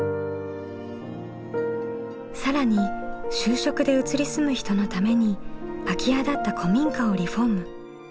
更に就職で移り住む人のために空き家だった古民家をリフォーム。